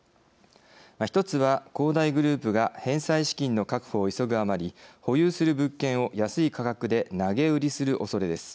１つは恒大グループが返済資金の確保を急ぐあまり保有する物件を安い価格で投げ売りするおそれです。